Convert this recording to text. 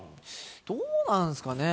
どうなんすかね。